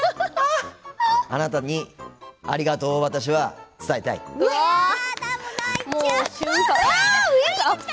あなたに、ありがとうを私は伝えたい。わ！泣いちゃう！